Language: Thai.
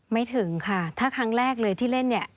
ไม่ถึงค่ะถ้าครั้งแรกเลยที่เล่นเนี่ย